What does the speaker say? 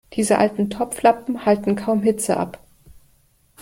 Diese alten Topflappen halten kaum Hitze ab.